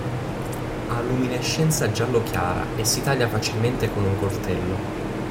Ha luminescenza giallo-chiara e si taglia facilmente con un coltello.